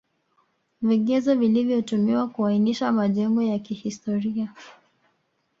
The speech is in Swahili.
Vigezo vilivyotumiwa kuainisha majengo ya kihstoria